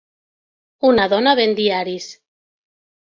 Una dona ven diaris.